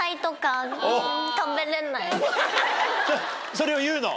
それを言うの？